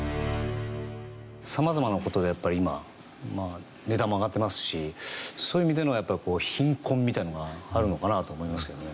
様々な事でやっぱり今値段も上がってますしそういう意味での貧困みたいなのがあるのかなと思いますけどね。